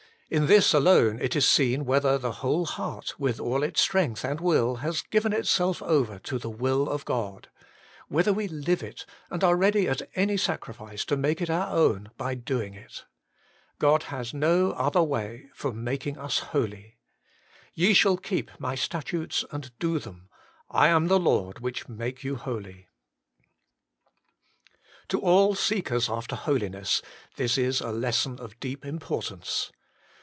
In this alone it is seen whether the whole heart, with all its strength and will, has given itself over to the will of God ; whether we live it, and are ready at any sacrifice to make it our own by doing it. God has no other way for making us holy. 'Ye shall HOLINESS AND OBEDIENCE. 67 keep my statutes and do them : I am the Lord which make you holy.' To all seekers after holiness this is a lesson of deep importance.